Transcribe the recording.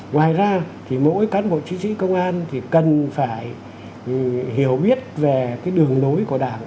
ngoài ra thì mỗi cán bộ chính trị công an thì cần phải hiểu biết về cái đường đối của đảng